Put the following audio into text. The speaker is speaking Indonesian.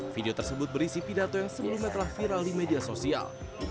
video tersebut berisi pidato yang sebelumnya telah viral di media sosial